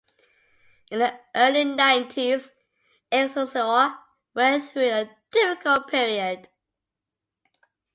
In the early nineties Excelsior went through a difficult period.